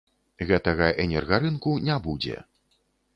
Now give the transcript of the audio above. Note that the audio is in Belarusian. Гэтага энергарынку не будзе.